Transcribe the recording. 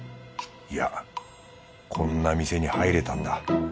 いやこんな店に入れたんだ。